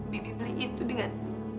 bibi beli itu dengan